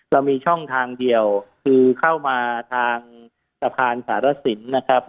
เรามีช่องทางเดียวคือเข้ามาทางสะพานสารสินนะครับ